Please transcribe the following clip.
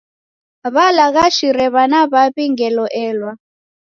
W'alaghashire w'ana w'aw'i ngelo elwa.